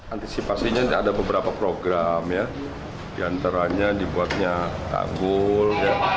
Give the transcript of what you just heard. antisipasinya ada beberapa program ya diantaranya dibuatnya tanggul